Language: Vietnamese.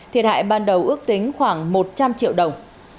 thiệt hại ban đầu ước tính khoảng một trăm linh triệu đồng